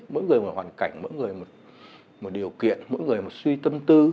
mỗi người một hoàn cảnh mỗi người một điều kiện mỗi người một suy tâm tư